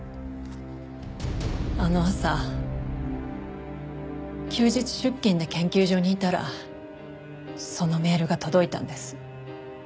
あの朝休日出勤で研究所にいたらそのメールが届いたんです。